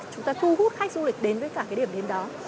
chúng ta thu hút khách du lịch đến với cả cái điểm đến đó